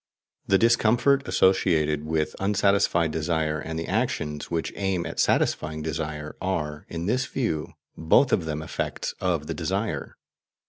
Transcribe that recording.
The discomfort associated with unsatisfied desire, and the actions which aim at satisfying desire, are, in this view, both of them effects of the desire.